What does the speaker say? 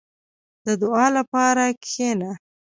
• د دعا لپاره کښېنه.